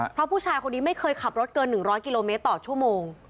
เพราะผู้ชายคนนี้ไม่เคยขับรถเกิน๑๐๐กิโลเมตรต่อชั่วโมง